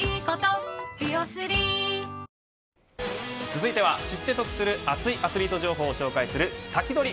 続いては知って得する熱いアスリート情報をお届けするサキドリ！